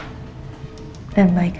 aku beruntung dan bersyukur